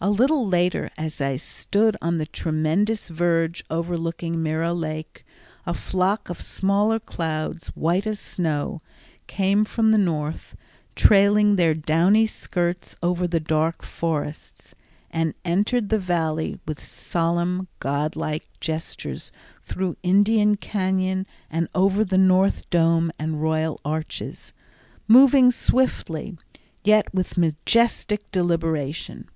A little later, as I stood on the tremendous verge overlooking Mirror Lake, a flock of smaller clouds, white as snow, came from the north, trailing their downy skirts over the dark forests, and entered the Valley with solemn god like gestures through Indian Cañon and over the North Dome and Royal Arches, moving swiftly, yet with majestic deliberation.